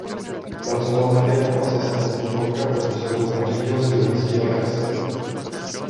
Pracoval také jako asistent několika profesorů a řídil studentský orchestr.